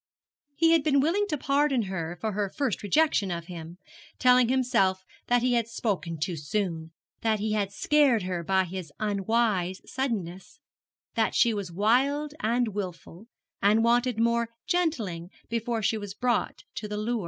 He had been willing to pardon her for her first rejection of him; telling himself that he had spoken too soon; that he had scared her by his unwise suddenness; that she was wild and wilful, and wanted more gentling before she was brought to the lure.